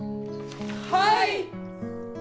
はい！